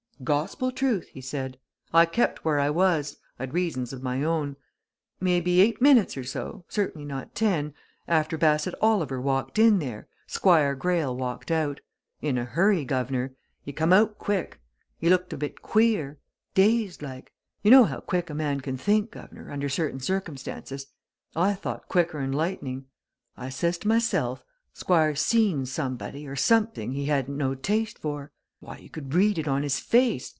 "Gospel truth!" he said. "I kept where I was I'd reasons of my own. May be eight minutes or so certainly not ten after Bassett Oliver walked in there, Squire Greyle walked out. In a hurry, guv'nor. He come out quick. He looked a bit queer. Dazed, like. You know how quick a man can think, guv'nor, under certain circumstances? I thought quicker'n lightning. I says to myself 'Squire's seen somebody or something he hadn't no taste for!' Why, you could read it on his face!